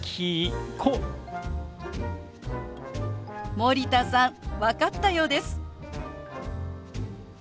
森田さん分かったようです。